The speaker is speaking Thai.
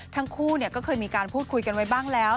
ทั้งคู่ก็เคยมีการพูดคุยกันไว้บ้างแล้ว